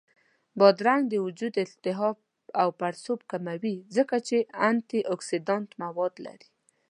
بادرنګ د وجود التهاب او پړسوب کموي، ځکه چې انټياکسیدنټ مواد لري